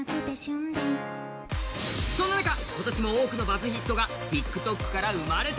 そんな中、今年も多くのバズヒットがＴｉｋＴｏｋから生まれた。